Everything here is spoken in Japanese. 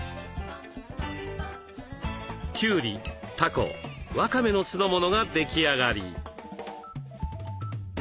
きゅうりたこわかめの酢の物が出来上がり。